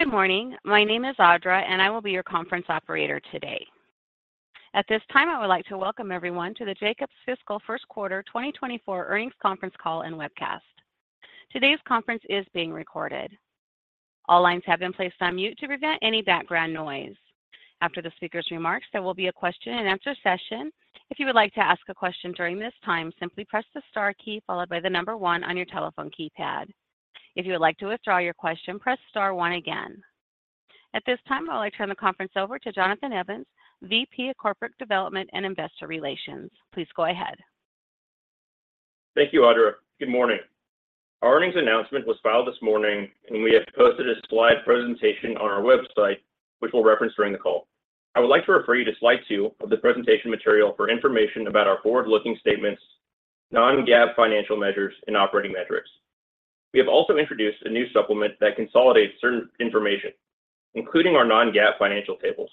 Good morning. My name is Audra, and I will be your conference operator today. At this time, I would like to welcome everyone to the Jacobs Fiscal First Quarter 2024 Earnings Conference Call and Webcast. Today's conference is being recorded. All lines have been placed on mute to prevent any background noise. After the speaker's remarks, there will be a question-and-answer session. If you would like to ask a question during this time, simply press the star key followed by the number one on your telephone keypad. If you would like to withdraw your question, press star one again. At this time, I'd like to turn the conference over to Jonathan Evans, VP of Corporate Development and Investor Relations. Please go ahead. Thank you, Audra. Good morning. Our earnings announcement was filed this morning, and we have posted a slide presentation on our website, which we'll reference during the call. I would like to refer you to slide 2 of the presentation material for information about our forward-looking statements, non-GAAP financial measures, and operating metrics. We have also introduced a new supplement that consolidates certain information, including our non-GAAP financial tables.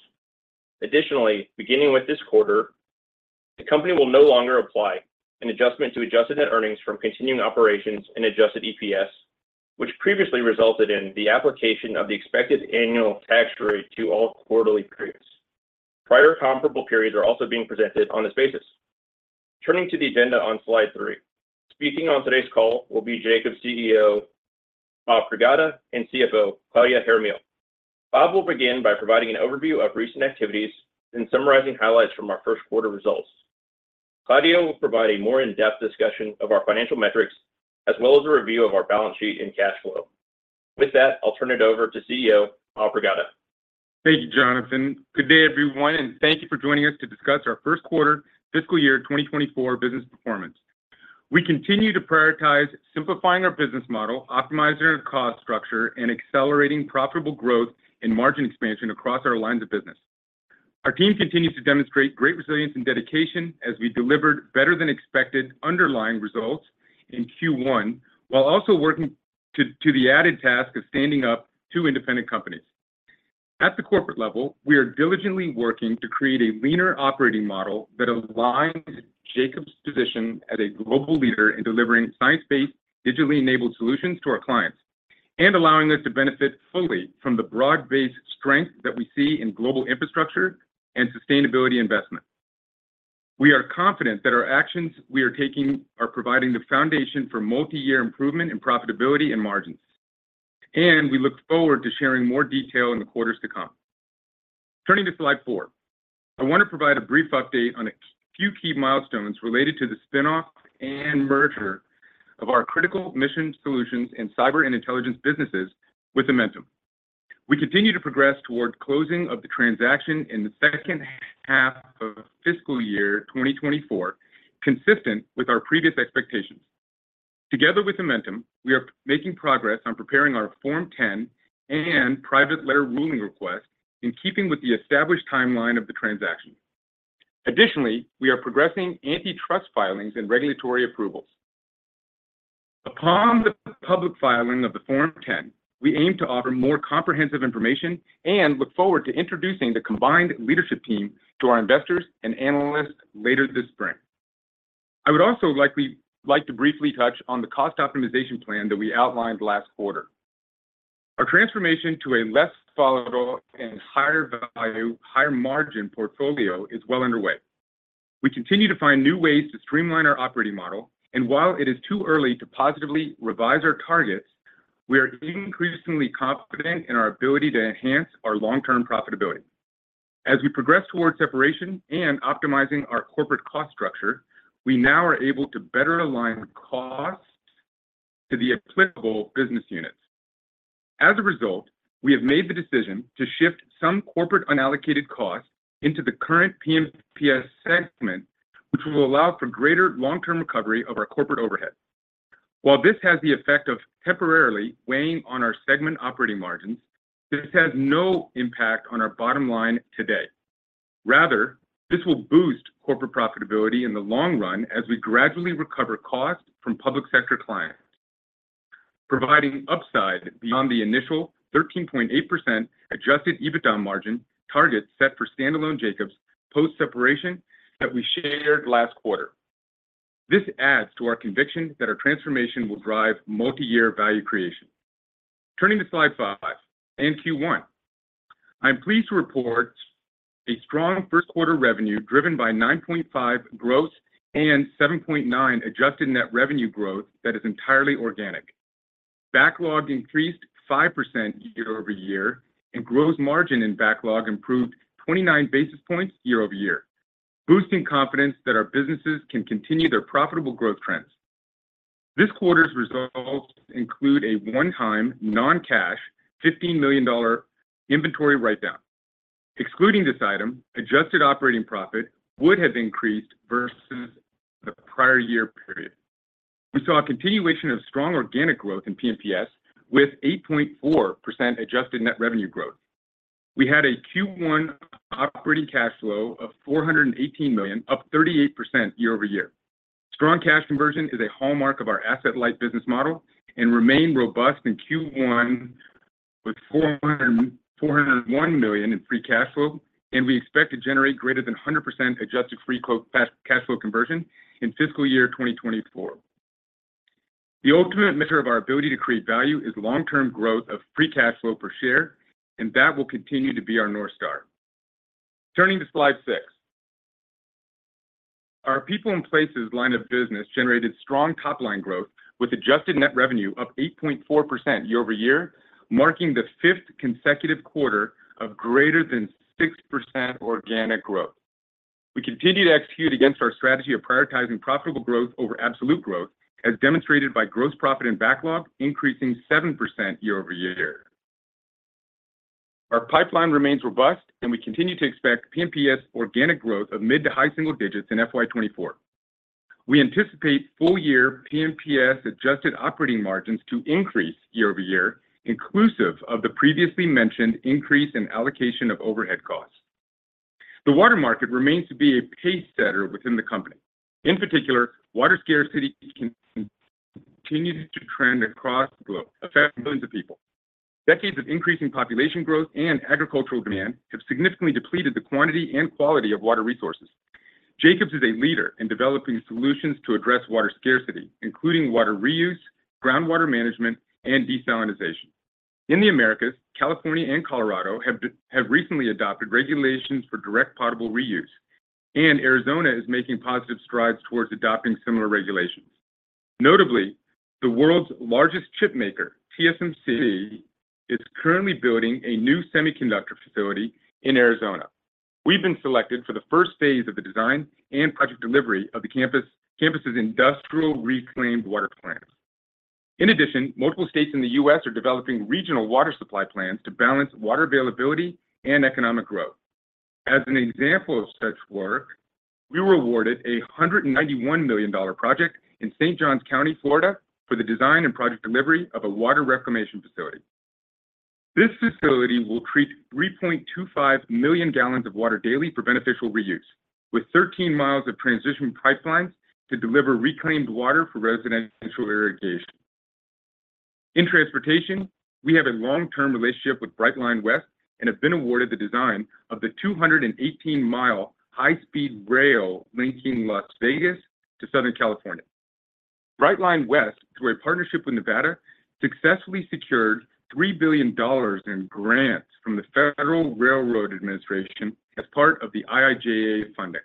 Additionally, beginning with this quarter, the company will no longer apply an adjustment to adjusted net earnings from continuing operations and adjusted EPS, which previously resulted in the application of the expected annual tax rate to all quarterly periods. Prior comparable periods are also being presented on this basis. Turning to the agenda on slide 3, speaking on today's call will be Jacobs' CEO, Bob Pragada, and CFO, Claudia Jaramillo. Bob will begin by providing an overview of recent activities and summarizing highlights from our first quarter results. Claudia will provide a more in-depth discussion of our financial metrics, as well as a review of our balance sheet and cash flow. With that, I'll turn it over to CEO, Bob Pragada. Thank you, Jonathan. Good day, everyone, and thank you for joining us to discuss our first quarter fiscal year 2024 business performance. We continue to prioritize simplifying our business model, optimizing our cost structure, and accelerating profitable growth and margin expansion across our lines of business. Our team continues to demonstrate great resilience and dedication as we delivered better-than-expected underlying results in Q1, while also working to the added task of standing up two independent companies. At the corporate level, we are diligently working to create a leaner operating model that aligns Jacobs' position as a global leader in delivering science-based, digitally-enabled solutions to our clients and allowing us to benefit fully from the broad-based strength that we see in global infrastructure and sustainability investment. We are confident that our actions we are taking are providing the foundation for multi-year improvement in profitability and margins, and we look forward to sharing more detail in the quarters to come. Turning to slide 4, I want to provide a brief update on a few key milestones related to the spin-off and merger of our Critical Mission Solutions in Cyber & Intelligence businesses with Amentum. We continue to progress toward closing of the transaction in the second half of fiscal year 2024, consistent with our previous expectations. Together with Amentum, we are making progress on preparing our Form 10 and Private Letter Ruling request in keeping with the established timeline of the transaction. Additionally, we are progressing antitrust filings and regulatory approvals. Upon the public filing of the Form 10, we aim to offer more comprehensive information and look forward to introducing the combined leadership team to our investors and analysts later this spring. I would also like to briefly touch on the cost optimization plan that we outlined last quarter. Our transformation to a less volatile and higher value, higher margin portfolio is well underway. We continue to find new ways to streamline our operating model, and while it is too early to positively revise our targets, we are increasingly confident in our ability to enhance our long-term profitability. As we progress towards separation and optimizing our corporate cost structure, we now are able to better align costs to the applicable business units. As a result, we have made the decision to shift some corporate unallocated costs into the current P&PS segment, which will allow for greater long-term recovery of our corporate overhead. While this has the effect of temporarily weighing on our segment operating margins, this has no impact on our bottom line today. Rather, this will boost corporate profitability in the long run as we gradually recover costs from public sector clients, providing upside beyond the initial 13.8% Adjusted EBITDA margin target set for standalone Jacobs post-separation that we shared last quarter. This adds to our conviction that our transformation will drive multi-year value creation. Turning to slide 5 and Q1, I'm pleased to report a strong first quarter revenue, driven by 9.5% growth and 7.9% adjusted net revenue growth that is entirely organic. Backlog increased 5% year-over-year, and gross margin in backlog improved 29 basis points year-over-year, boosting confidence that our businesses can continue their profitable growth trends. This quarter's results include a one-time, non-cash, $15 million inventory write-down. Excluding this item, adjusted operating profit would have increased versus the prior year period. We saw a continuation of strong organic growth in P&PS, with 8.4% adjusted net revenue growth. We had a Q1 operating cash flow of $418 million, up 38% year-over-year. Strong cash conversion is a hallmark of our asset-light business model and remained robust in Q1, with $401 million in free cash flow, and we expect to generate greater than 100% adjusted free cash flow conversion in fiscal year 2024. The ultimate measure of our ability to create value is long-term growth of free cash flow per share, and that will continue to be our North Star. Turning to slide 6. Our People & Places line of business generated strong top-line growth, with adjusted net revenue up 8.4% year-over-year, marking the fifth consecutive quarter of greater than 6% organic growth. We continue to execute against our strategy of prioritizing profitable growth over absolute growth, as demonstrated by gross profit and backlog increasing 7% year-over-year. Our pipeline remains robust, and we continue to expect P&PS organic growth of mid to high single digits in FY 2024. We anticipate full year P&PS adjusted operating margins to increase year-over-year, inclusive of the previously mentioned increase in allocation of overhead costs. The water market remains to be a pace setter within the company. In particular, water scarcity continues to trend across the globe, affecting millions of people. Decades of increasing population growth and agricultural demand have significantly depleted the quantity and quality of water resources. Jacobs is a leader in developing solutions to address water scarcity, including water reuse, groundwater management, and desalinization. In the Americas, California and Colorado have recently adopted regulations for direct potable reuse, and Arizona is making positive strides towards adopting similar regulations. Notably, the world's largest chipmaker, TSMC, is currently building a new semiconductor facility in Arizona. We've been selected for the first phase of the design and project delivery of the campus's industrial reclaimed water plant. In addition, multiple states in the US are developing regional water supply plans to balance water availability and economic growth. As an example of such work, we were awarded a $191 million project in St. Johns County, Florida, for the design and project delivery of a water reclamation facility. This facility will treat 3.25 million gallons of water daily for beneficial reuse, with 13 miles of transition pipelines to deliver reclaimed water for residential irrigation. In transportation, we have a long-term relationship with Brightline West and have been awarded the design of the 218-mile high-speed rail linking Las Vegas to Southern California. Brightline West, through a partnership with Nevada, successfully secured $3 billion in grants from the Federal Railroad Administration as part of the IIJA funding.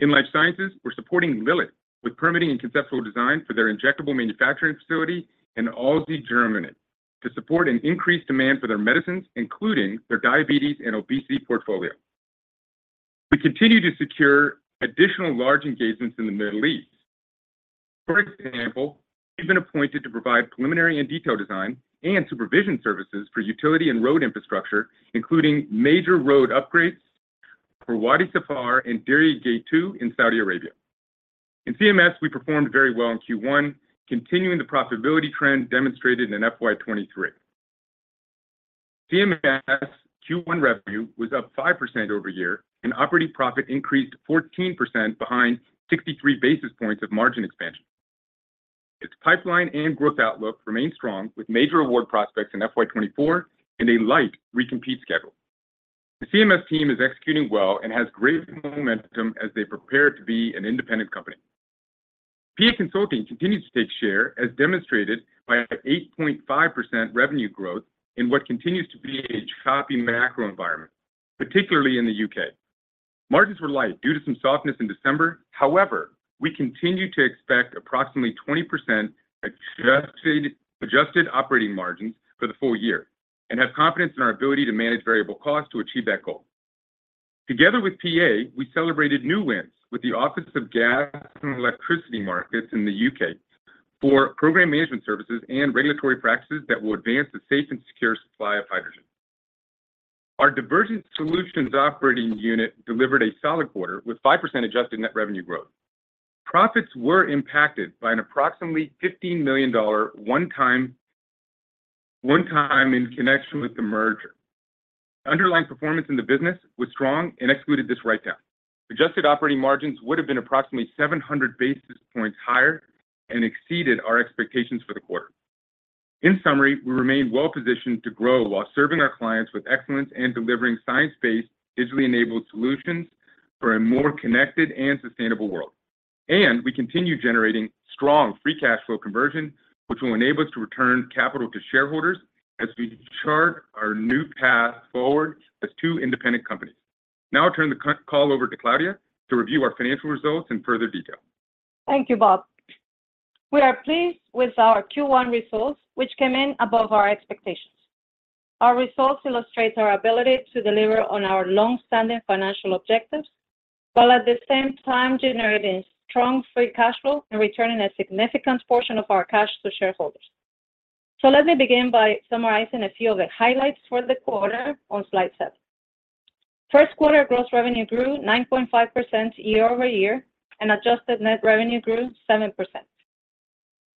In life sciences, we're supporting Lilly with permitting and conceptual design for their injectable manufacturing facility in Alzey, Germany, to support an increased demand for their medicines, including their diabetes and obesity portfolio. We continue to secure additional large engagements in the Middle East. For example, we've been appointed to provide preliminary and detailed design and supervision services for utility and road infrastructure, including major road upgrades for Wadi Safar and Diriyah Gate 2 in Saudi Arabia. In CMS, we performed very well in Q1, continuing the profitability trend demonstrated in FY 2023. CMS Q1 revenue was up 5% year-over-year, and operating profit increased 14% behind 63 basis points of margin expansion. Its pipeline and growth outlook remain strong, with major award prospects in FY 2024 and a light recompete schedule. The CMS team is executing well and has great momentum as they prepare to be an independent company. PA Consulting continues to take share, as demonstrated by an 8.5% revenue growth in what continues to be a choppy macro environment, particularly in the UK. Margins were light due to some softness in December. However, we continue to expect approximately 20% adjusted, adjusted operating margins for the full year and have confidence in our ability to manage variable costs to achieve that goal. Together with PA, we celebrated new wins with the Office of Gas and Electricity Markets in the U.K. for program management services and regulatory practices that will advance the safe and secure supply of hydrogen. Our Divergent Solutions operating unit delivered a solid quarter, with 5% adjusted net revenue growth. Profits were impacted by an approximately $15 million one-time in connection with the merger. Underlying performance in the business was strong and excluded this write-down. Adjusted operating margins would have been approximately 700 basis points higher and exceeded our expectations for the quarter. In summary, we remain well positioned to grow while serving our clients with excellence and delivering science-based, digitally enabled solutions for a more connected and sustainable world. We continue generating strong free cash flow conversion, which will enable us to return capital to shareholders as we chart our new path forward as two independent companies. Now I'll turn the call over to Claudia to review our financial results in further detail. Thank you, Bob. We are pleased with our Q1 results, which came in above our expectations. Our results illustrate our ability to deliver on our long-standing financial objectives, while at the same time generating strong free cash flow and returning a significant portion of our cash to shareholders. So let me begin by summarizing a few of the highlights for the quarter on slide 7. First quarter gross revenue grew 9.5% year over year, and adjusted net revenue grew 7%.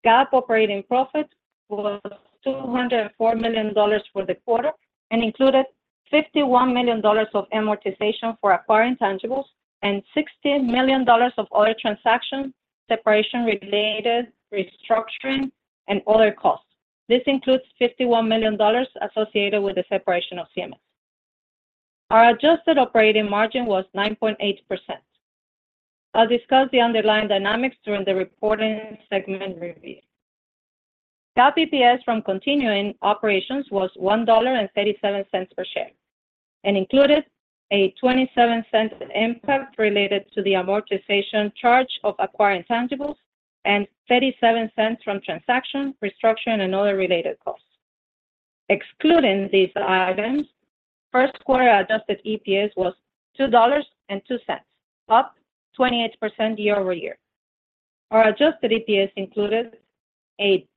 GAAP operating profit was $204 million for the quarter and included $51 million of amortization for acquired intangibles and $16 million of other transaction, separation-related restructuring and other costs. This includes $51 million associated with the separation of CMS.... Our adjusted operating margin was 9.8%. I'll discuss the underlying dynamics during the reporting segment review. GAAP EPS from continuing operations was $1.37 per share, and included a $0.27 impact related to the amortization charge of acquired intangibles, and $0.37 from transaction, restructure, and other related costs. Excluding these items, first quarter adjusted EPS was $2.02, up 28% year-over-year. Our adjusted EPS included a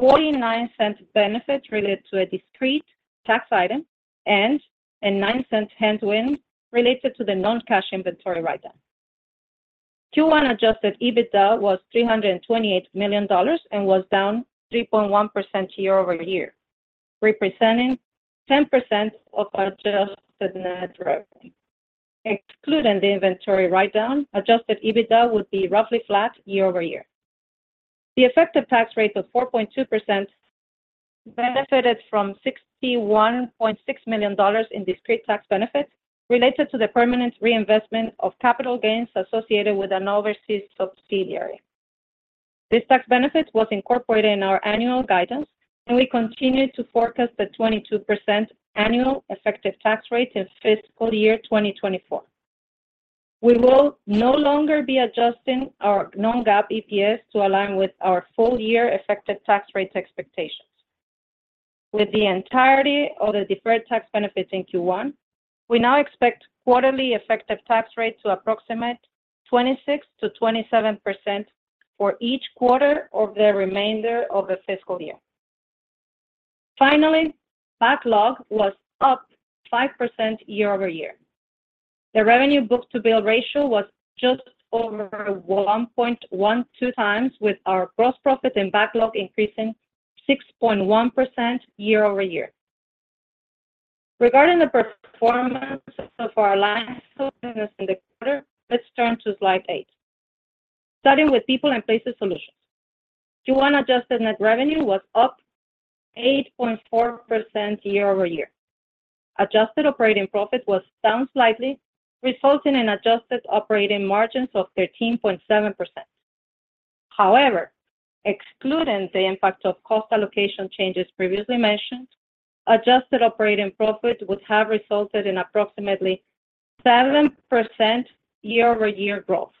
$0.49 benefit related to a discrete tax item and a $0.09 headwind related to the non-cash inventory write-down. Q1 adjusted EBITDA was $328 million and was down 3.1% year-over-year, representing 10% of our adjusted net revenue. Excluding the inventory write-down, adjusted EBITDA would be roughly flat year-over-year. The effective tax rate of 4.2% benefited from $61.6 million in discrete tax benefits related to the permanent reinvestment of capital gains associated with an overseas subsidiary. This tax benefit was incorporated in our annual guidance, and we continue to forecast a 22% annual effective tax rate in fiscal year 2024. We will no longer be adjusting our non-GAAP EPS to align with our full year effective tax rate expectations. With the entirety of the deferred tax benefits in Q1, we now expect quarterly effective tax rate to approximate 26%-27% for each quarter of the remainder of the fiscal year. Finally, backlog was up 5% year-over-year. The revenue book-to-bill ratio was just over 1.12 times, with our gross profit and backlog increasing 6.1% year-over-year. Regarding the performance of our lines in the quarter, let's turn to slide 8. Starting with People & Places Solutions. Q1 adjusted net revenue was up 8.4% year over year. Adjusted operating profit was down slightly, resulting in adjusted operating margins of 13.7%. However, excluding the impact of cost allocation changes previously mentioned, adjusted operating profit would have resulted in approximately 7% year-over-year growth.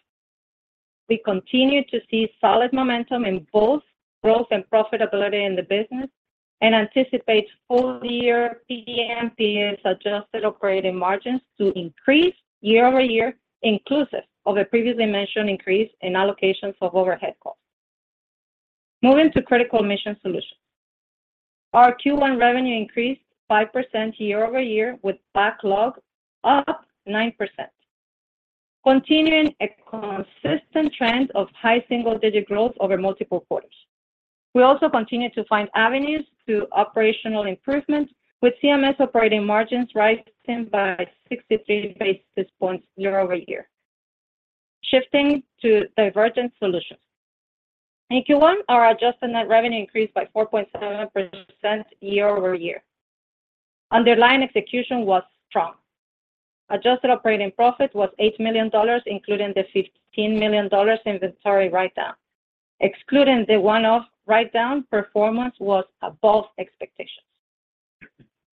We continue to see solid momentum in both growth and profitability in the business and anticipate full year P&PS adjusted operating margins to increase year over year, inclusive of the previously mentioned increase in allocations of overhead costs. Moving to Critical Mission Solutions. Our Q1 revenue increased 5% year over year, with backlog up 9%, continuing a consistent trend of high single-digit growth over multiple quarters. We also continue to find avenues to operational improvements, with CMS operating margins rising by 63 basis points year-over-year. Shifting to Divergent Solutions. In Q1, our adjusted net revenue increased by 4.7% year-over-year. Underlying execution was strong. Adjusted operating profit was $8 million, including the $15 million inventory write-down. Excluding the one-off write-down, performance was above expectations.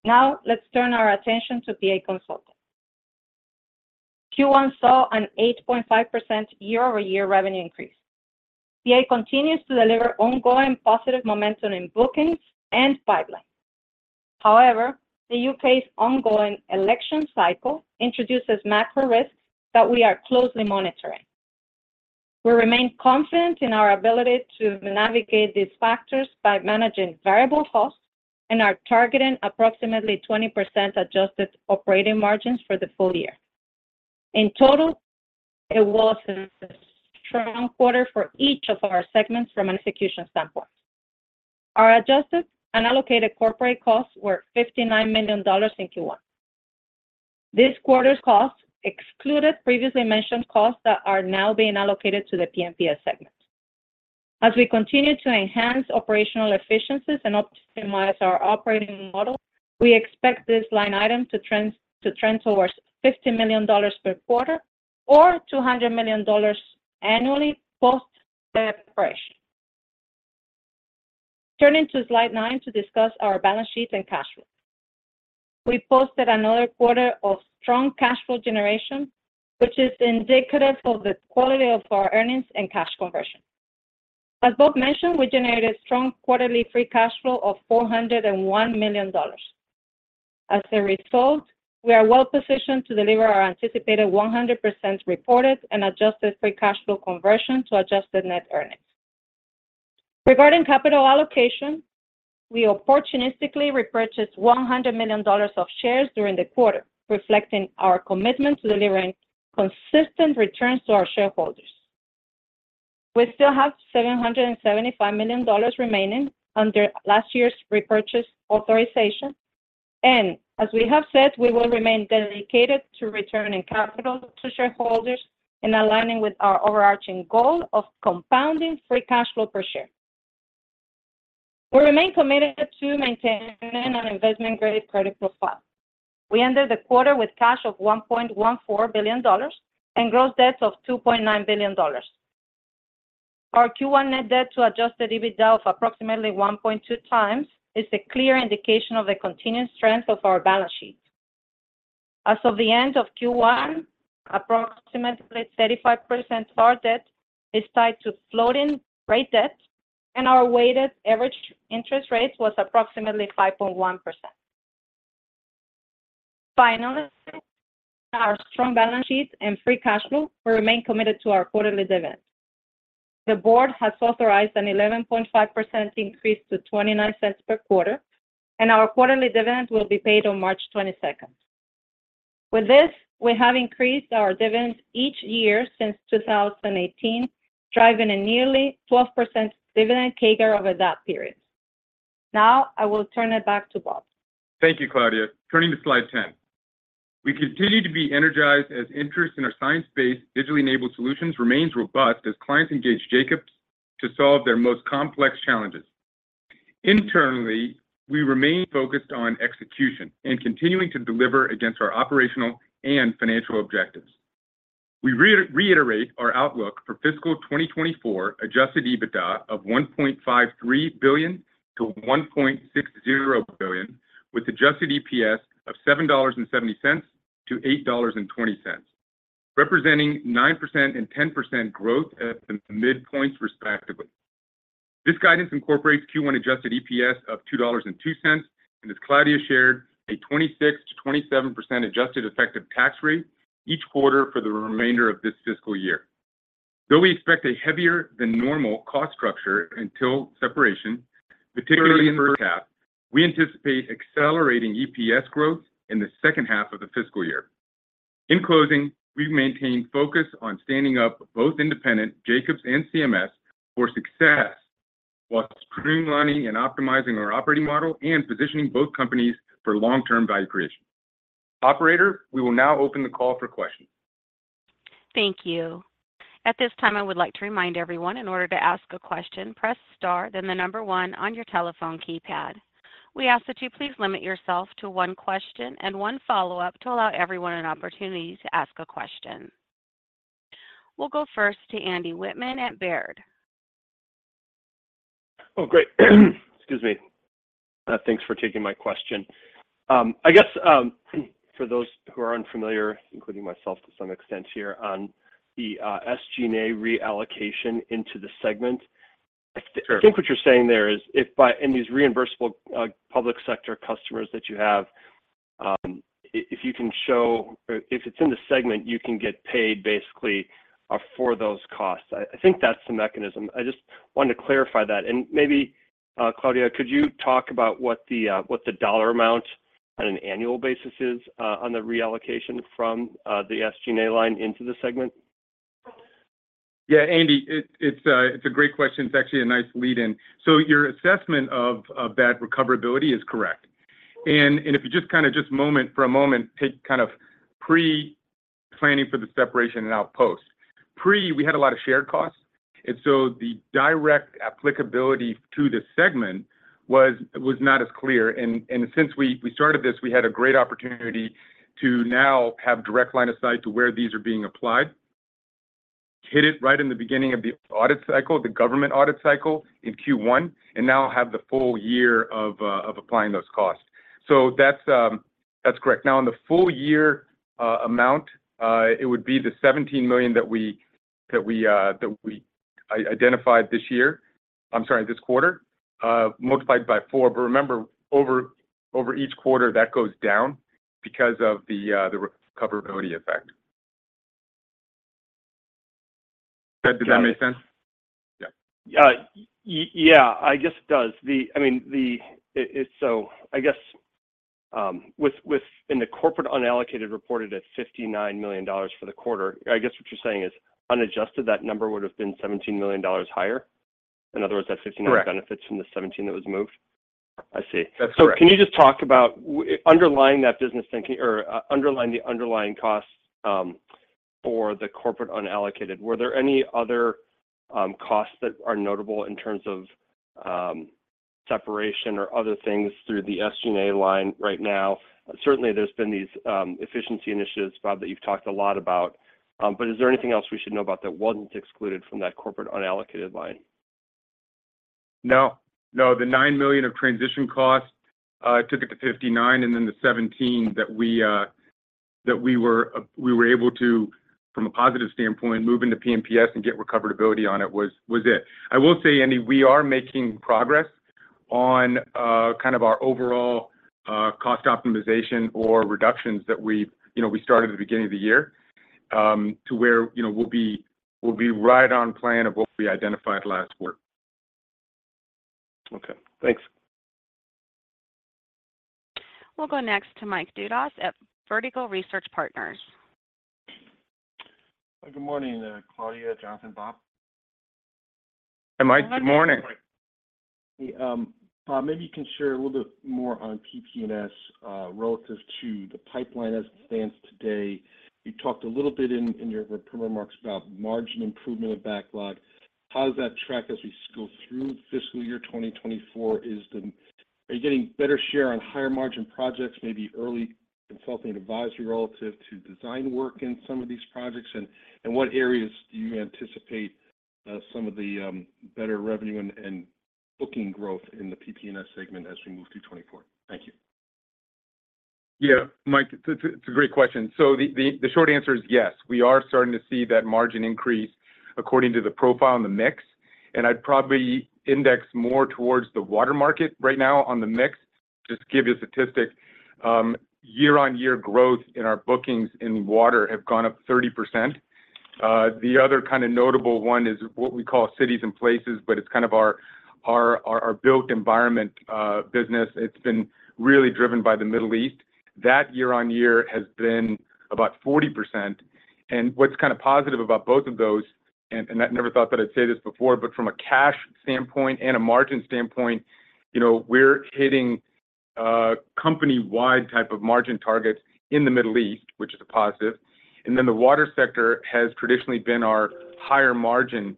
Now, let's turn our attention to PA Consulting. Q1 saw an 8.5% year-over-year revenue increase. PA continues to deliver ongoing positive momentum in bookings and pipeline. However, the UK's ongoing election cycle introduces macro risks that we are closely monitoring. We remain confident in our ability to navigate these factors by managing variable costs and are targeting approximately 20% adjusted operating margins for the full year. In total, it was a strong quarter for each of our segments from an execution standpoint. Our adjusted unallocated corporate costs were $59 million in Q1. This quarter's costs excluded previously mentioned costs that are now being allocated to the P&PS segment. As we continue to enhance operational efficiencies and optimize our operating model, we expect this line item to trend towards $50 million per quarter or $200 million annually post the refresh. Turning to slide 9 to discuss our balance sheet and cash flow. We posted another quarter of strong cash flow generation, which is indicative of the quality of our earnings and cash conversion. As Bob mentioned, we generated strong quarterly free cash flow of $401 million. As a result, we are well positioned to deliver our anticipated 100% reported and Adjusted Free Cash Flow conversion to Adjusted net earnings. Regarding capital allocation, we opportunistically repurchased $100 million of shares during the quarter, reflecting our commitment to delivering consistent returns to our shareholders. We still have $775 million remaining under last year's repurchase authorization, and as we have said, we will remain dedicated to returning capital to shareholders and aligning with our overarching goal of compounding Free Cash Flow per share.... We remain committed to maintaining an investment-grade credit profile. We ended the quarter with cash of $1.14 billion and gross debts of $2.9 billion. Our Q1 net debt to Adjusted EBITDA of approximately 1.2x is a clear indication of the continued strength of our balance sheet. As of the end of Q1, approximately 35% of our debt is tied to floating rate debt, and our weighted average interest rate was approximately 5.1%. Finally, our strong balance sheet and free cash flow, we remain committed to our quarterly dividend. The board has authorized an 11.5% increase to $0.29 per quarter, and our quarterly dividend will be paid on March 22nd. With this, we have increased our dividends each year since 2018, driving a nearly 12% dividend CAGR over that period. Now, I will turn it back to Bob. Thank you, Claudia. Turning to slide 10. We continue to be energized as interest in our science-based, digitally-enabled solutions remains robust as clients engage Jacobs to solve their most complex challenges. Internally, we remain focused on execution and continuing to deliver against our operational and financial objectives. We reiterate our outlook for fiscal 2024 adjusted EBITDA of $1.53 billion-$1.60 billion, with adjusted EPS of $7.70-$8.20, representing 9% and 10% growth at the midpoints respectively. This guidance incorporates Q1 adjusted EPS of $2.02, and as Claudia shared, a 26%-27% adjusted effective tax rate each quarter for the remainder of this fiscal year. Though we expect a heavier than normal cost structure until separation, particularly in the first half, we anticipate accelerating EPS growth in the second half of the fiscal year. In closing, we've maintained focus on standing up both independent Jacobs and CMS for success, while streamlining and optimizing our operating model and positioning both companies for long-term value creation. Operator, we will now open the call for questions. Thank you. At this time, I would like to remind everyone, in order to ask a question, press star, then the number one on your telephone keypad. We ask that you please limit yourself to one question and one follow-up to allow everyone an opportunity to ask a question. We'll go first to Andy Wittman at Baird. Oh, great. Excuse me. Thanks for taking my question. I guess, for those who are unfamiliar, including myself to some extent here, on the, SG&A reallocation into the segment- Sure. I think what you're saying there is, if by in these reimbursable public sector customers that you have, if you can show or if it's in the segment, you can get paid basically for those costs. I think that's the mechanism. I just wanted to clarify that. And maybe, Claudia, could you talk about what the what the dollar amount on an annual basis is on the reallocation from the SG&A line into the segment? Yeah, Andy, it's a great question. It's actually a nice lead-in. So your assessment of that recoverability is correct. And if you just for a moment take kind of pre-planning for the separation and spin-out. Pre, we had a lot of shared costs, and so the direct applicability to the segment was not as clear. And since we started this, we had a great opportunity to now have direct line of sight to where these are being applied. Hit it right in the beginning of the audit cycle, the government audit cycle, in Q1, and now have the full year of applying those costs. So that's correct. Now, on the full year amount, it would be the $17 million that we identified this year. I'm sorry, this quarter, multiplied by four. But remember, over each quarter, that goes down because of the recoverability effect. Did that make sense? Yeah. Yeah, I guess it does. I mean, it's so, I guess, within the corporate unallocated reported at $59 million for the quarter, I guess what you're saying is, unadjusted, that number would have been $17 million higher? In other words, that- Correct... 59 benefits from the 17 that was moved. I see. That's correct. So can you just talk about underlying that business thinking or, underlying the underlying costs, for the corporate unallocated? Were there any other, costs that are notable in terms of, separation or other things through the SG&A line right now? Certainly, there's been these, efficiency initiatives, Bob, that you've talked a lot about, but is there anything else we should know about that wasn't excluded from that corporate unallocated line? No. No, the $9 million of transition costs took it to $59 million, and then the $17 million that we, that we were, we were able to, from a positive standpoint, move into PP&S and get recoverability on it was, was it. I will say, Andy, we are making progress on, kind of our overall, cost optimization or reductions that we've, you know, we started at the beginning of the year, to where, you know, we'll be, we'll be right on plan of what we identified last quarter. Okay, thanks. We'll go next to Mike Dudas at Vertical Research Partners. Good morning, Claudia, Jonathan, Bob. Hi, Mike. Good morning. Hey, Bob, maybe you can share a little bit more on P&PS relative to the pipeline as it stands today. You talked a little bit in your remarks about margin improvement of backlog. How does that track as we go through fiscal year 2024? Are you getting better share on higher margin projects, maybe early consulting and advisory relative to design work in some of these projects? And what areas do you anticipate some of the better revenue and booking growth in the P&PS segment as we move through 2024? Thank you. Yeah, Mike, it's a great question. So the short answer is yes, we are starting to see that margin increase according to the profile and the mix, and I'd probably index more towards the water market right now on the mix. Just to give you a statistic, year-over-year growth in our bookings in water have gone up 30%. The other kind of notable one is what we call Cities & Places, but it's kind of our built environment business. It's been really driven by the Middle East. That year-over-year has been about 40%. What's kind of positive about both of those, and, and I never thought that I'd say this before, but from a cash standpoint and a margin standpoint, you know, we're hitting a company-wide type of margin targets in the Middle East, which is a positive, and then the water sector has traditionally been our higher margin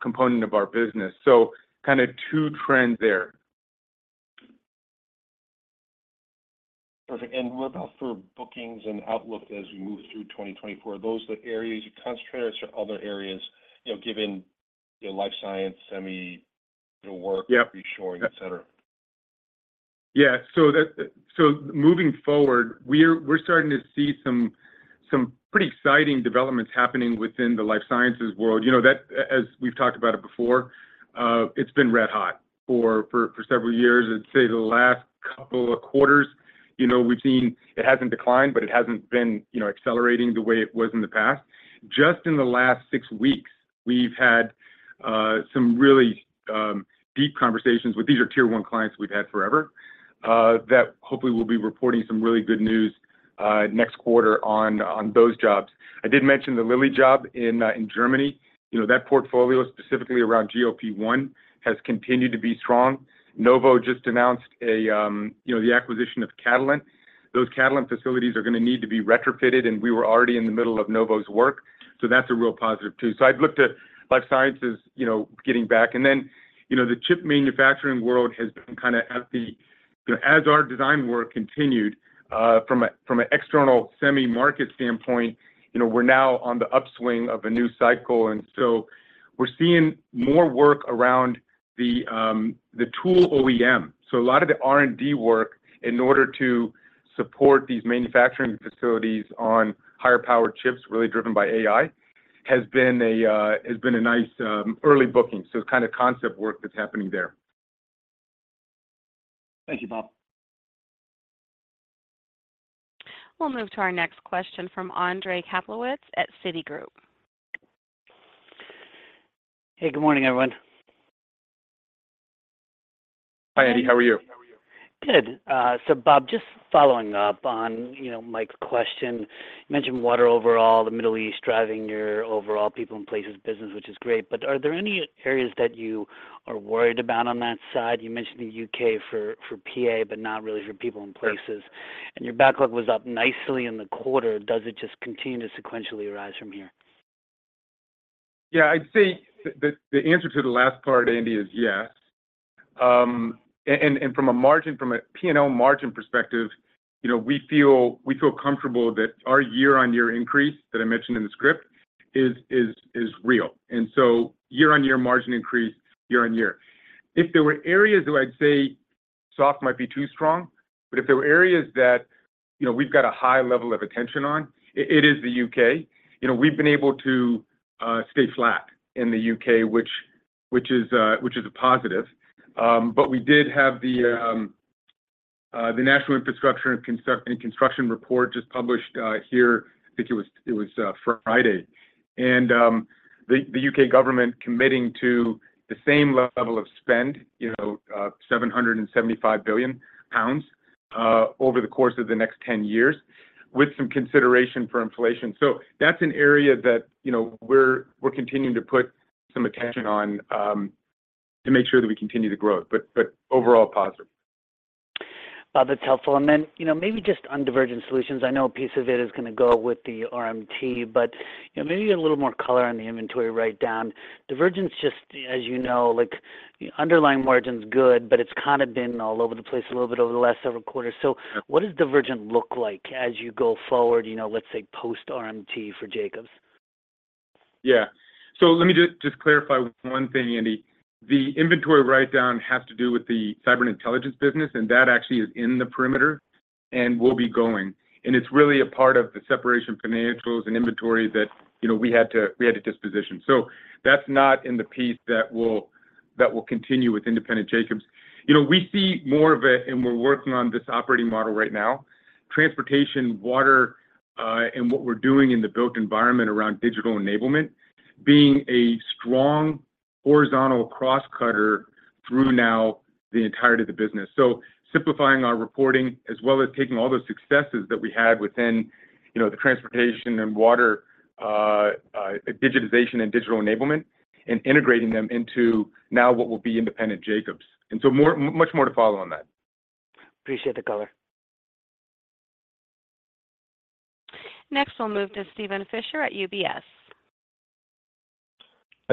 component of our business. So kind of two trends there. Perfect. And what about for bookings and outlook as we move through 2024? Are those the areas you're concentrated or other areas, you know, given your life science, semi work- Yep... reshoring, et cetera? Yeah. So moving forward, we're starting to see some pretty exciting developments happening within the life sciences world. You know, that as we've talked about it before, it's been red-hot for several years. I'd say the last couple of quarters, you know, we've seen it hasn't declined, but it hasn't been, you know, accelerating the way it was in the past. Just in the last 6 weeks, we've had some really deep conversations with... These are tier one clients we've had forever, that hopefully will be reporting some really good news next quarter on those jobs. I did mention the Lilly job in Germany. You know, that portfolio, specifically around GLP-1, has continued to be strong. Novo just announced, you know, the acquisition of Catalent. Those Catalent facilities are gonna need to be retrofitted, and we were already in the middle of Novo's work, so that's a real positive too. So I'd looked at life sciences, you know, getting back, and then, you know, the chip manufacturing world has been kind of at the-- You know, as our design work continued, from an external semi market standpoint, you know, we're now on the upswing of a new cycle, and so we're seeing more work around the, the tool OEM. So a lot of the R&D work in order to support these manufacturing facilities on higher powered chips, really driven by AI, has been a, has been a nice, early booking. So kind of concept work that's happening there. Thank you, Bob. We'll move to our next question from Andrew Kaplowitz at Citigroup. Hey, good morning, everyone. Hi, Andy. How are you? Good. So, Bob, just following up on, you know, Mike's question, you mentioned water overall, the Middle East, driving your overall People & Places business, which is great, but are there any areas that you are worried about on that side? You mentioned the UK for PA, but not really for People & Places. Sure. Your backlog was up nicely in the quarter. Does it just continue to sequentially rise from here? Yeah, I'd say the answer to the last part, Andy, is yes. And from a margin, from a P&L margin perspective, you know, we feel comfortable that our year-on-year increase that I mentioned in the script is real, and so year-on-year margin increase year on year. If there were areas where I'd say soft might be too strong, but if there were areas that, you know, we've got a high level of attention on, it is the UK. You know, we've been able to stay flat in the UK, which is a positive. But we did have the National Infrastructure and Construction Report just published here. I think it was Friday. And, the U.K. government committing to the same level of spend, you know, 775 billion pounds over the course of the next 10 years, with some consideration for inflation. That's an area that, you know, we're continuing to put some attention on, to make sure that we continue to grow, but overall positive. Bob, that's helpful. And then, you know, maybe just on Divergent Solutions, I know a piece of it is gonna go with the RMT, but, you know, maybe a little more color on the inventory write-down. Divergent, just as you know, like, underlying margin's good, but it's kind of been all over the place a little bit over the last several quarters. Sure. What does Divergent look like as you go forward, you know, let's say, post-RMT for Jacobs? Yeah. So let me just, just clarify one thing, Andy. The inventory write-down has to do with the cyber intelligence business, and that actually is in the perimeter and will be going. And it's really a part of the separation financials and inventory that, you know, we had to, we had to disposition. So that's not in the piece that will, that will continue with independent Jacobs. You know, we see more of it, and we're working on this operating model right now. Transportation, water, and what we're doing in the built environment around digital enablement, being a strong horizontal cross cutter through now the entirety of the business. So simplifying our reporting, as well as taking all those successes that we had within, you know, the transportation and water, digitization and digital enablement, and integrating them into now what will be independent Jacobs. And so more, much more to follow on that. Appreciate the color. Next, we'll move to Steven Fisher at UBS.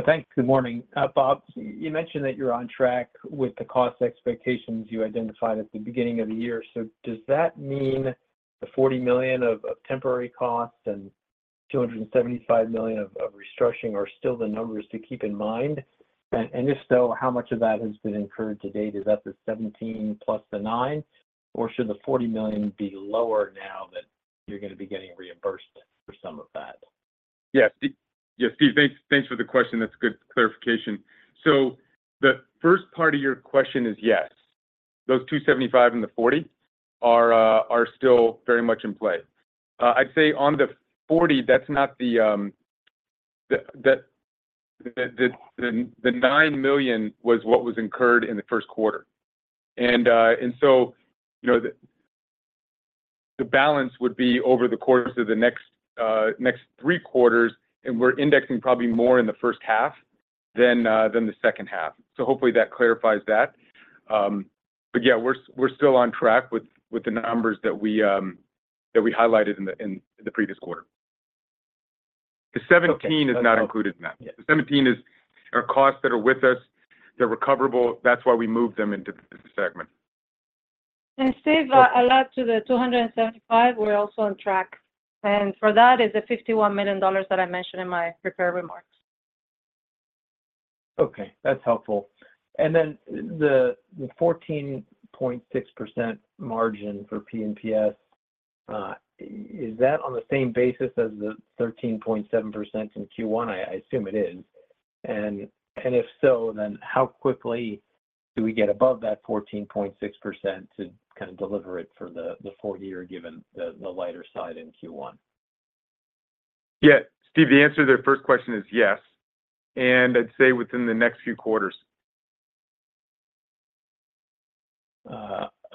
Thanks. Good morning. Bob, you mentioned that you're on track with the cost expectations you identified at the beginning of the year. So does that mean the $40 million of temporary costs and $275 million of restructuring are still the numbers to keep in mind? And if so, how much of that has been incurred to date? Is that the 17 plus the nine, or should the $40 million be lower now that you're gonna be getting reimbursed for some of that? Yes. Yes, Steve, thanks, thanks for the question. That's a good clarification. So the first part of your question is yes, those $275 and the $40 are still very much in play. I'd say on the $40, that's not the $9 million was what was incurred in the first quarter. And so, you know, the balance would be over the course of the next three quarters, and we're indexing probably more in the first half than the second half. So hopefully that clarifies that. But yeah, we're still on track with the numbers that we highlighted in the previous quarter. Okay. The 17 is not included in that. Yeah. The 17 are costs that are with us. They're recoverable. That's why we moved them into this segment. Steve, I'll add to the $275. We're also on track, and for that, it's the $51 million that I mentioned in my prepared remarks. Okay, that's helpful. And then the 14.6% margin for P&PS is that on the same basis as the 13.7% in Q1? I assume it is. And if so, then how quickly do we get above that 14.6% to kind of deliver it for the full year, given the lighter side in Q1? Yeah, Steve, the answer to the first question is yes, and I'd say within the next few quarters.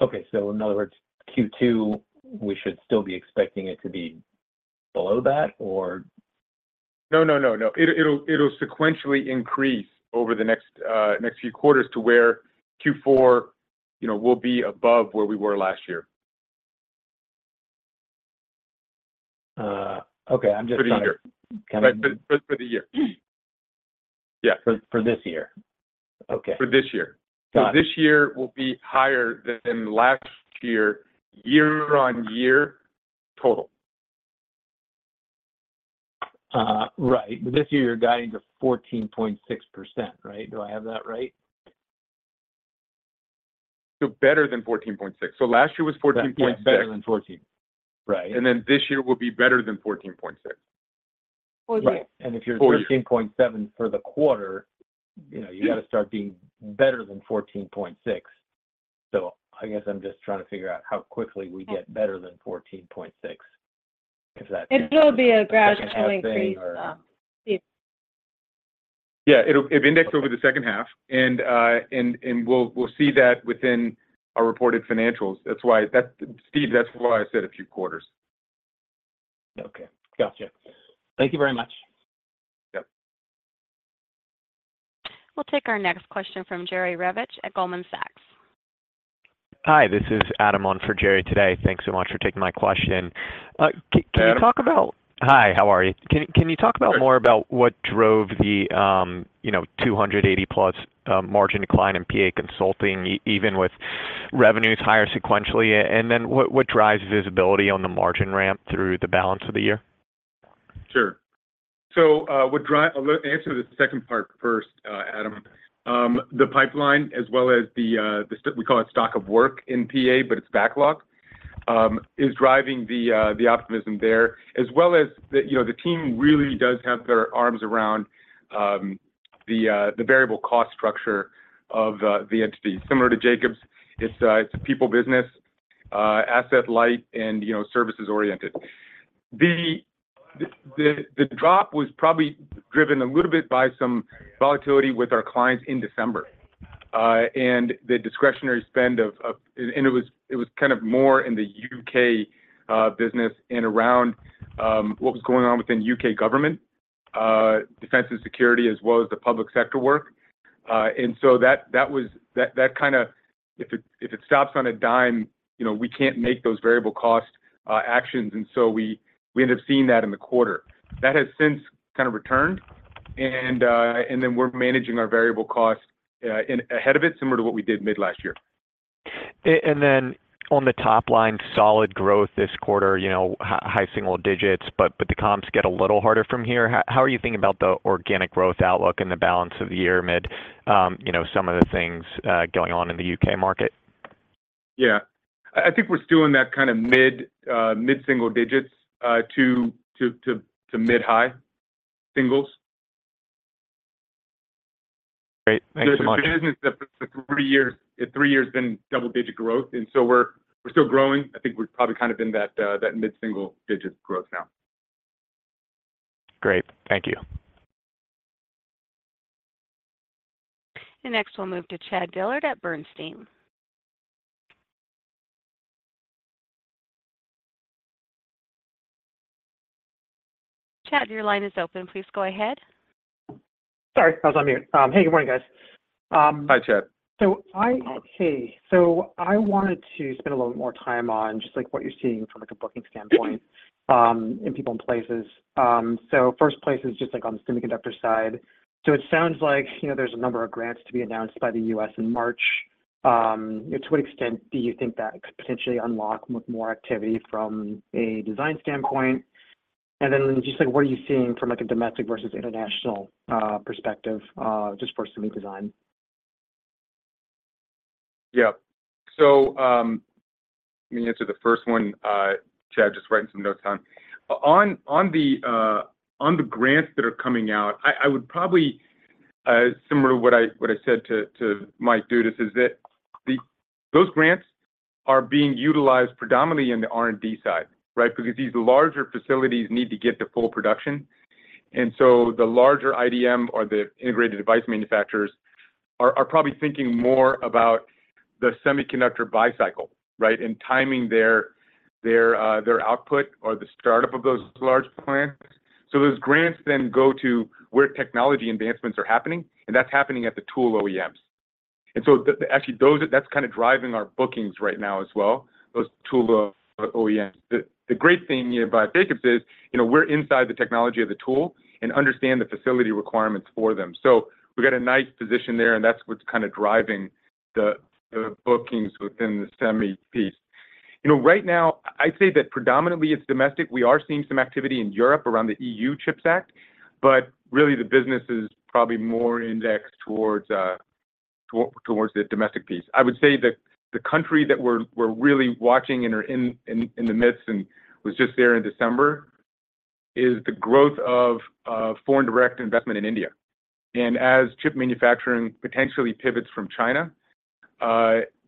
Okay. So in other words, Q2, we should still be expecting it to be below that, or? No, no, no, no. It'll, it'll, it'll sequentially increase over the next, next few quarters to where Q4, you know, will be above where we were last year. Okay. I'm just trying to- For the year. Kind of- But for the year. Yeah. For this year? Okay. For this year. Got it. This year will be higher than last year, year-on-year, total. Right. But this year, you're guiding to 14.6%, right? Do I have that right? Better than 14.6. Last year was 14.6. Yeah, better than 14, right. This year will be better than 14.6. Full year. Right. Full year. If you're 14.7 for the quarter, you know, you've got to start being better than 14.6. I guess I'm just trying to figure out how quickly we get better than 14.6. If that- It will be a gradual increase, Steve. Yeah, it'll index over the second half, and we'll see that within our reported financials. That's why. That, Steve, that's why I said a few quarters. Okay. Gotcha. Thank you very much. Yep. We'll take our next question from Jerry Revich at Goldman Sachs. Hi, this is Adam on for Jerry today. Thanks so much for taking my question. Adam. Can you talk about, hi, how are you? Good. Can you talk about more about what drove the, you know, 280+ margin decline in PA Consulting, even with revenues higher sequentially? And then what drives visibility on the margin ramp through the balance of the year? Sure. I'll answer the second part first, Adam. The pipeline, as well as the stock of work in PA, but it's backlog, is driving the optimism there, as well as you know, the team really does have their arms around the variable cost structure of the entity. Similar to Jacobs, it's a people business, asset light and you know, services oriented. The drop was probably driven a little bit by some volatility with our clients in December, and the discretionary spend of... And it was kind of more in the U.K. business and around what was going on within U.K. government defense and security, as well as the public sector work. And so that was that kind of if it stops on a dime, you know, we can't make those variable cost actions, and so we end up seeing that in the quarter. That has since kind of returned, and then we're managing our variable costs in advance of it, similar to what we did mid last year. And then on the top line, solid growth this quarter, you know, high single digits, but the comps get a little harder from here. How are you thinking about the organic growth outlook and the balance of the year amid, you know, some of the things going on in the U.K. market? Yeah. I think we're still in that kind of mid single digits to mid-high singles. Great. Thanks so much. The business that for three years, three years been double-digit growth, and so we're, we're still growing. I think we're probably kind of in that, that mid-single-digit growth now. Great. Thank you. Next, we'll move to Chad Dillard at Bernstein. Chad, your line is open. Please go ahead. Sorry, I was on mute. Hey, good morning, guys. Hi, Chad. So, okay, so I wanted to spend a little more time on just, like, what you're seeing from, like, a bookings standpoint in People & Places. So first place is just, like, on the semiconductor side. So it sounds like, you know, there's a number of grants to be announced by the U.S. in March. To what extent do you think that could potentially unlock more activity from a design standpoint? And then just, like, what are you seeing from, like, a domestic versus international perspective just for semi design? Yeah. So, let me answer the first one. Chad, just writing some notes down. On the grants that are coming out, I would probably, similar to what I said to Mike Dudas, is that those grants are being utilized predominantly in the R&D side, right? Because these larger facilities need to get to full production, and so the larger IDM, or the integrated device manufacturers, are probably thinking more about the semiconductor buy cycle, right, and timing their output or the startup of those large plants. So those grants then go to where technology advancements are happening, and that's happening at the tool OEMs. And so actually, those... That's kind of driving our bookings right now as well, those tool OEMs. The great thing about Jacobs is, you know, we're inside the technology of the tool and understand the facility requirements for them. So we've got a nice position there, and that's what's kind of driving the bookings within the semi piece. You know, right now, I'd say that predominantly it's domestic. We are seeing some activity in Europe around the EU Chips Act, but really the business is probably more indexed towards towards the domestic piece. I would say that the country that we're really watching and are in the midst and was just there in December is the growth of foreign direct investment in India. As chip manufacturing potentially pivots from China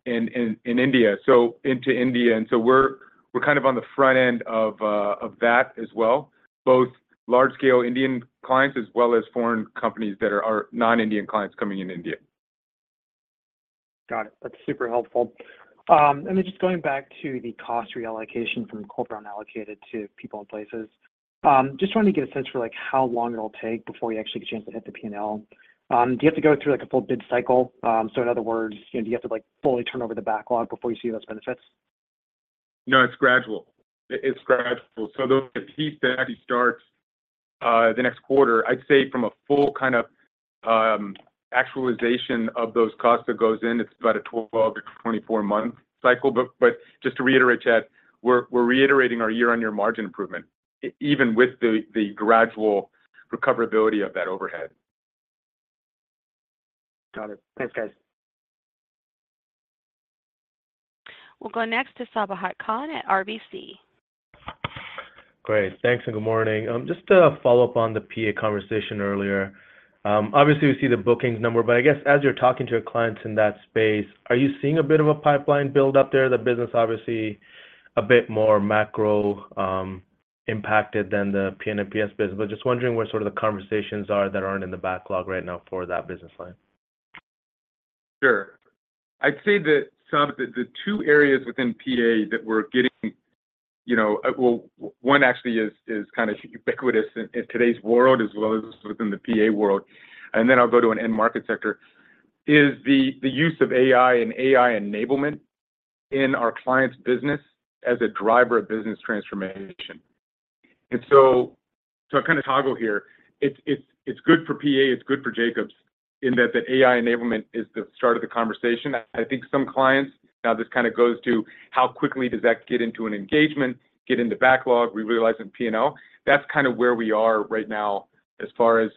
into India, and so we're kind of on the front end of that as well, both large-scale Indian clients, as well as foreign companies that are our non-Indian clients coming in India. Got it. That's super helpful. And then just going back to the cost reallocation from corporate unallocated to People & Places, just wanting to get a sense for, like, how long it'll take before you actually get a chance to hit the P&L. Do you have to go through, like, a full bid cycle? So in other words, you know, do you have to, like, fully turn over the backlog before you see those benefits? No, it's gradual. It's gradual. So though the piece that actually starts the next quarter, I'd say from a full kind of actualization of those costs that goes in, it's about a 12- to 24-month cycle. But just to reiterate, Chad, we're reiterating our year-on-year margin improvement, even with the gradual recoverability of that overhead. Got it. Thanks, guys. We'll go next to Sabahat Khan at RBC. Great. Thanks, and good morning. Just to follow up on the PA conversation earlier, obviously, we see the bookings number, but I guess as you're talking to your clients in that space, are you seeing a bit of a pipeline build up there? The business obviously a bit more macro, impacted than the P&PS business, but just wondering where sort of the conversations are that aren't in the backlog right now for that business line. Sure. I'd say that the two areas within PA that we're getting, you know, well, one actually is kind of ubiquitous in today's world as well as within the PA world, and then I'll go to an end market sector, the use of AI and AI enablement in our clients' business as a driver of business transformation. And so to kind of toggle here, it's good for PA, it's good for Jacobs in that the AI enablement is the start of the conversation. I think some clients, now this kind of goes to how quickly does that get into an engagement, get into backlog, we realize in P&L. That's kind of where we are right now as far as,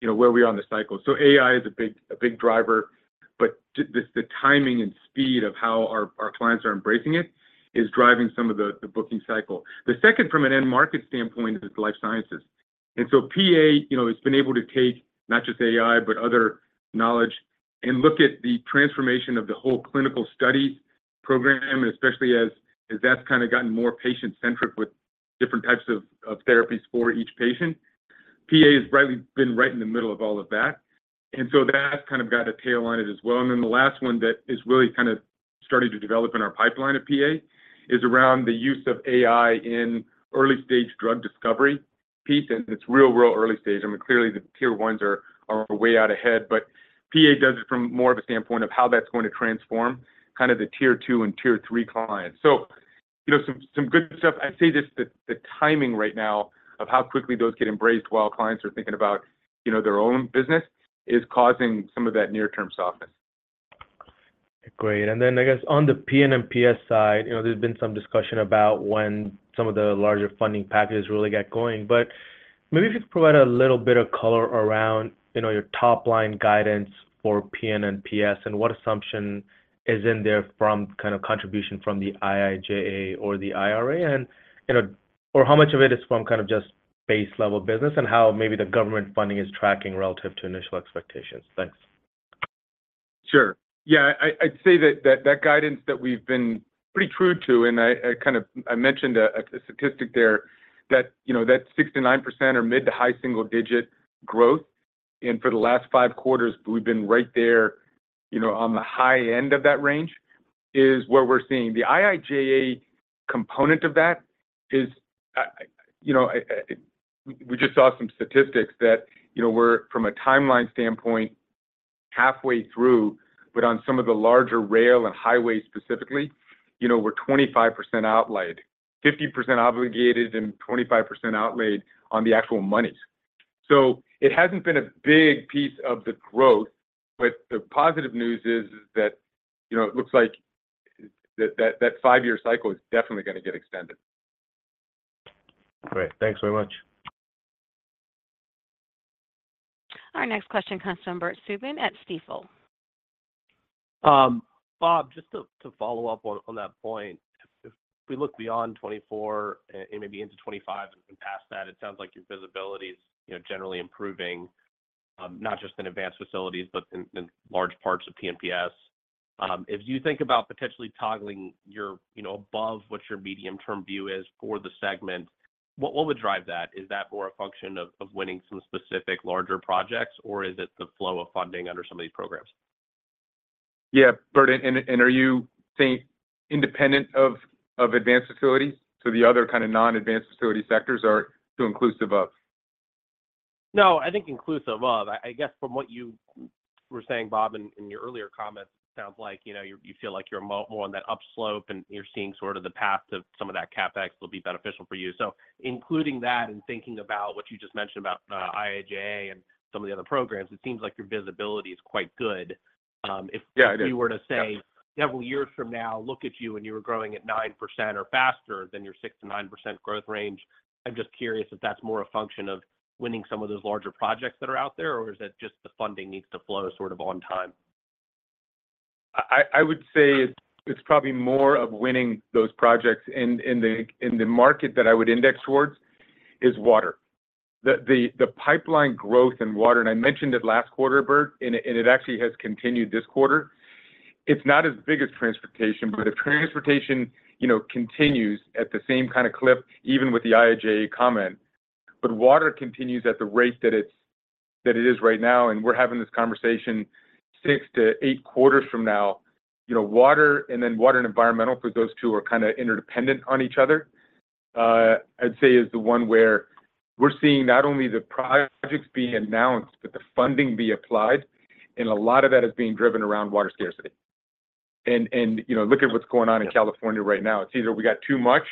you know, where we are on the cycle. So AI is a big, a big driver, but the, the timing and speed of how our, our clients are embracing it is driving some of the, the booking cycle. The second, from an end market standpoint, is life sciences. And so PA, you know, has been able to take not just AI, but other knowledge and look at the transformation of the whole clinical study program, especially as, as that's kind of gotten more patient-centric with different types of, of therapies for each patient. PA has rightly been right in the middle of all of that, and so that's kind of got a tail on it as well. And then the last one that is really kind of starting to develop in our pipeline at PA is around the use of AI in early-stage drug discovery piece, and it's real, real early stage. I mean, clearly, the Tier ones are way out ahead, but PA does it from more of a standpoint of how that's going to transform kind of the Tier two and Tier three clients. So, you know, some good stuff. I'd say just the timing right now of how quickly those get embraced while clients are thinking about, you know, their own business, is causing some of that near-term softness. Great. And then, I guess, on the P&PS side, you know, there's been some discussion about when some of the larger funding packages really get going, but maybe if you could provide a little bit of color around, you know, your top-line guidance for P&PS and what assumption is in there from kind of contribution from the IIJA or the IRA. And, you know, or how much of it is from kind of just base-level business and how maybe the government funding is tracking relative to initial expectations? Thanks. Sure. Yeah, I'd say that guidance that we've been pretty true to, and I kind of mentioned a statistic there that, you know, that 6%-9% or mid- to high-single-digit growth, and for the last five quarters, we've been right there, you know, on the high end of that range is what we're seeing. The IIJA component of that is, you know, we just saw some statistics that, you know, we're from a timeline standpoint, halfway through, but on some of the larger rail and highway specifically, you know, we're 25% outlaid, 50% obligated, and 25% outlaid on the actual monies. So it hasn't been a big piece of the growth, but the positive news is that, you know, it looks like that five-year cycle is definitely gonna get extended. Great. Thanks very much. Our next question comes from Bert Subin at Stifel. Bob, just to follow up on that point. If we look beyond 2024 and maybe into 2025 and past that, it sounds like your visibility is, you know, generally improving, not just in advanced facilities, but in large parts of P&PS. If you think about potentially toggling your, you know, above what your medium-term view is for the segment, what would drive that? Is that more a function of winning some specific larger projects, or is it the flow of funding under some of these programs? Yeah, Bert, are you saying independent of advanced facilities? So the other kind of non-advanced facility sectors or to inclusive of? No, I think inclusive of. I guess from what you were saying, Bob, in your earlier comments, it sounds like, you know, you feel like you're more on that upslope, and you're seeing sort of the path to some of that CapEx will be beneficial for you. So including that and thinking about what you just mentioned about IIJA and some of the other programs, it seems like your visibility is quite good. If- Yeah, it is.... you were to say, several years from now, look at you, and you were growing at 9% or faster than your 6%-9% growth range. I'm just curious if that's more a function of winning some of those larger projects that are out there, or is that just the funding needs to flow sort of on time? I would say it's probably more of winning those projects. In the market that I would index towards is water. The pipeline growth in water, and I mentioned it last quarter, Bert, and it actually has continued this quarter. It's not as big as transportation, but if transportation, you know, continues at the same kind of clip, even with the IIJA comment, but water continues at the rate that it is right now, and we're having this conversation 6-8 quarters from now. You know, water, and then water and environmental, because those two are kind of interdependent on each other, I'd say is the one where we're seeing not only the projects being announced, but the funding be applied, and a lot of that is being driven around water scarcity. You know, look at what's going on in California right now. It's either we got too much,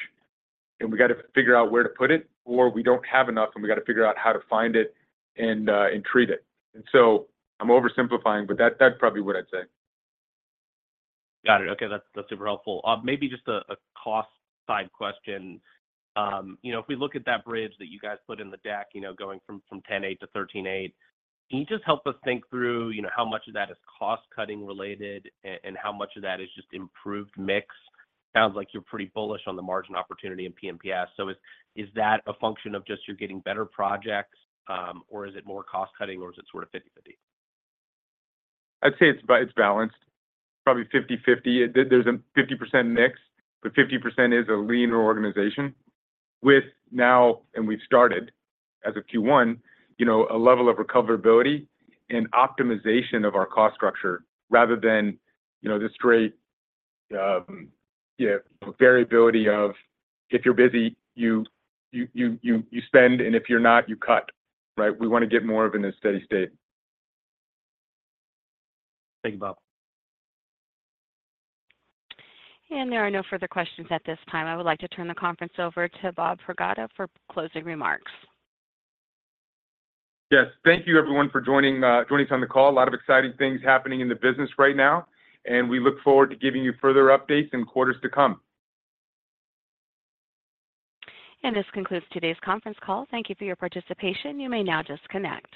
and we got to figure out where to put it, or we don't have enough, and we got to figure out how to find it and treat it. So I'm oversimplifying, but that's probably what I'd say. Got it. Okay, that's, that's super helpful. Maybe just a cost side question. You know, if we look at that bridge that you guys put in the deck, you know, going from 10.8-13.8, can you just help us think through, you know, how much of that is cost-cutting related and how much of that is just improved mix? Sounds like you're pretty bullish on the margin opportunity in P&PS. So is that a function of just you getting better projects, or is it more cost cutting, or is it sort of 50/50? I'd say it's balanced, probably 50/50. There's a 50% mix, but 50% is a leaner organization. With now, and we've started as of Q1, you know, a level of recoverability and optimization of our cost structure, rather than, you know, this great variability of if you're busy, you spend, and if you're not, you cut, right? We want to get more of in a steady state. Thank you, Bob. There are no further questions at this time. I would like to turn the conference over to Bob Pragada for closing remarks. Yes. Thank you, everyone, for joining us on the call. A lot of exciting things happening in the business right now, and we look forward to giving you further updates in quarters to come. This concludes today's conference call. Thank you for your participation. You may now disconnect.